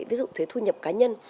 ví dụ thuế thu nhập cá nhân